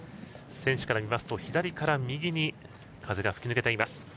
選手から見ますと、左から右に風が吹き抜けています。